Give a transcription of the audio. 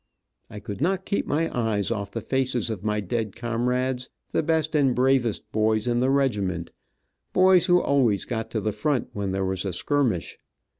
I could not keep my eyes off the faces of my dead comrades, the best and bravest boys in the regiment, boys who always got to the front when there was a skirmish.